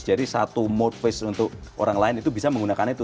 jadi satu mode face untuk orang lain itu bisa menggunakan itu